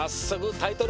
タイトル